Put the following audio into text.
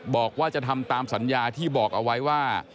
บอกว่าจะทำตามสัญญาที่บอกเอาไว้ว่า